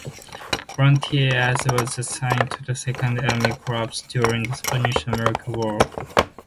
Volunteers, and was assigned to the Second Army Corps during the Spanish-American War.